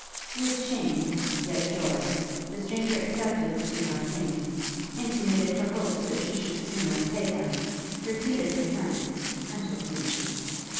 With shame, yet joy, the stranger accepted the two half guineas, intimated her hopes that she should soon repay them, repeated her thanks, and took leave.